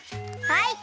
はい！